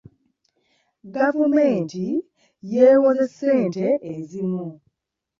Gavumenti yeewoze ssente ezimu.